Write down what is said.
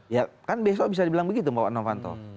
ya kan besok bisa dibilang begitu mbak novanto